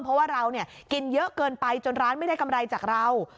เพราะว่าเรากินเยอะเกินไปจนร้านไม่ได้กำไรจากเรา